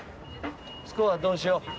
スコアどうしよう？